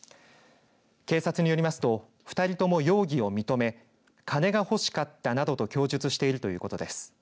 警察によりますと２人とも容疑を認め金が欲しかったなどと供述しているということです。